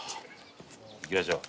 いきましょう。